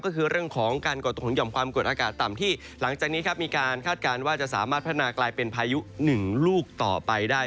ก็คือเรื่องของการก่อตัวของห่อมความกดอากาศต่ำที่หลังจากนี้ครับมีการคาดการณ์ว่าจะสามารถพัฒนากลายเป็นพายุหนึ่งลูกต่อไปได้